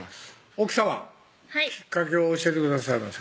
奥さまきっかけを教えてくださいませ